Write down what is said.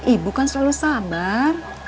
ibu kan selalu sabar